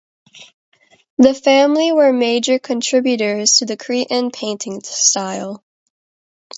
The family were major contributors to the Cretan painting style.